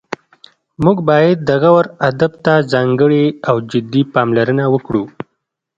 موږ باید د غور ادب ته ځانګړې او جدي پاملرنه وکړو